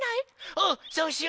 うんそうしよう！